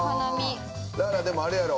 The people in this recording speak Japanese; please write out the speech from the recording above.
らーらでもあれやろ？